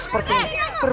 sana pergi sana pergi